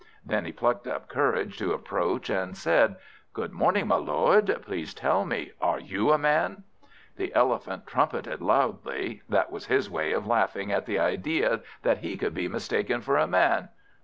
Then he plucked up courage to approach, and said "Good morning, my lord. Please will you tell me, are you a Man?" The Elephant trumpeted loudly. That was his way of laughing at the idea that he could be mistaken for a Man.